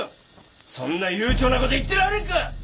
そんな悠長な事言ってられっか！